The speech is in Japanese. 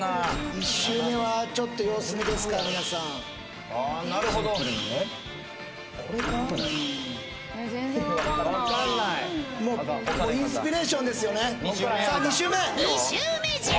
１周目はちょっと様子見ですか皆さんえ全然分かんないもうインスピレーションですよねさあ